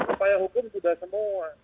upaya hukum sudah semua